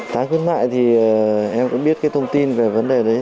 tháng khuyến mại thì em cũng biết cái thông tin về vấn đề đấy